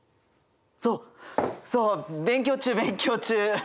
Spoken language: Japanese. そうそう勉強中勉強中！